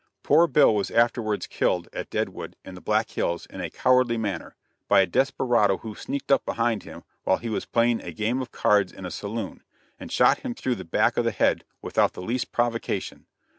Poor Bill was afterwards killed at Deadwood, in the Black Hills, in a cowardly manner, by a desperado who sneaked up behind him while he was playing a game of cards in a saloon, and shot him through the back of the head, without the least provocation.